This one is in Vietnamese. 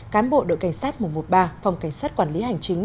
cán bộ đội cảnh sát mùa một mươi ba phòng cảnh sát quản lý hành chính